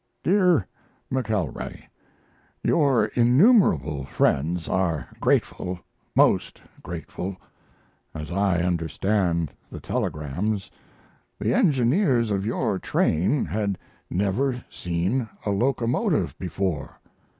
DEAR McKELWAY, Your innumerable friends are grateful, most grateful. As I understand the telegrams, the engineers of your train had never seen a locomotive before....